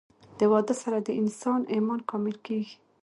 د واده سره د انسان ايمان کامل کيږي